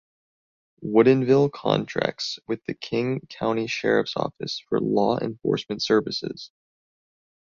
Woodinville contracts with the King County Sheriff's Office for law enforcement services.